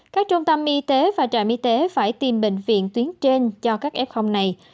các trung tâm y tế và trạm y tế phải tìm bệnh viện tuyến trên cho các f này